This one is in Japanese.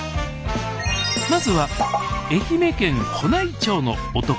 まずは愛媛県保内町の男の子。